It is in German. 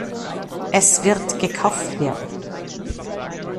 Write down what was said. Es wird gekauft werden.